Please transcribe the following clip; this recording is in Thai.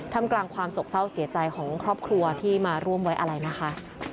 ทำกลางความโศกเศร้าเสียใจของครอบครัวที่มาร่วมไว้อะไรนะคะ